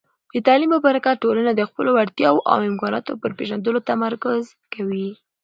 د تعلیم په برکت، ټولنه د خپلو وړتیاوو او امکاناتو پر پېژندلو تمرکز کوي.